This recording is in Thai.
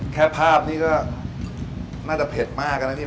แค่ภาพก็น่าจะเผ็ดมากนะฮินะ